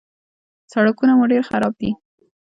_سړکونه مو ډېر خراب دي.